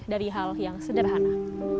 dari hal yang sederhana